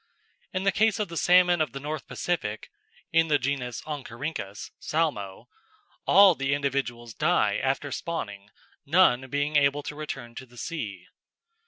In the case of the salmon of the North Pacific (in the genus Oncorhynchus, not Salmo) all the individuals die after spawning, none being able to return to the sea.